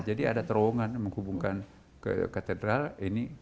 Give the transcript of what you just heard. jadi ada terowongan menghubungkan katedral ini